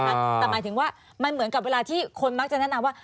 แต่หมายถึงว่ามันเหมือนกับเวลาที่คนมักจะแนะนำว่า